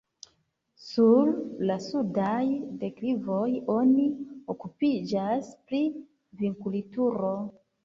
Sur la sudaj deklivoj oni okupiĝas pri vinkulturo.